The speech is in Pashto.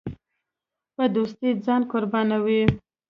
په دوستۍ ځان قربانوي.